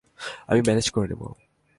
আমি ম্যানেজ করে নিবো।